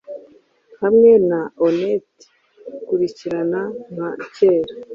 hamwe na onnet ikurikirana nka kera